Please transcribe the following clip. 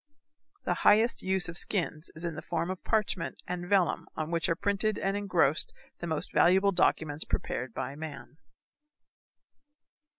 The highest use of skins is in the form of parchment and vellum on which are printed and engrossed the most valuable documents prepared by man.